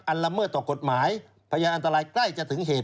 ละเมิดต่อกฎหมายพยานอันตรายใกล้จะถึงเหตุ